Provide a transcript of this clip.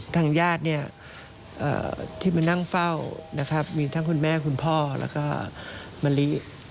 ทางญาติเนี่ยที่มานั่งเฝ้านะครับมีทั้งคุณแม่คุณพ่อแล้วก็มะลิ